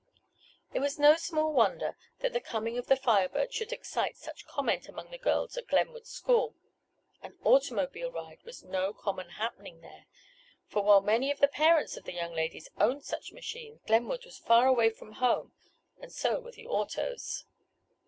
It was no small wonder that the coming of the Fire Bird should excite such comment among the girls at Glenwood school. An automobile ride was no common happening there, for while many of the parents of the young ladies owned such machines, Glenwood was far away from home and so were the autos.